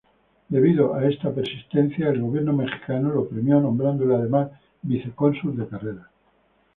Debido a esta persistencia, el gobierno mexicano lo premió nombrándole, además, vicecónsul de carrera.